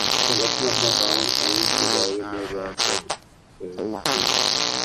سب اپنا اپنا کام آئین کے دائرے میں رہ کر رہے ہیں۔